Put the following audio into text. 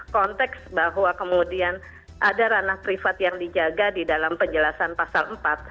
konteks bahwa kemudian ada ranah privat yang dijaga di dalam penjelasan pasal empat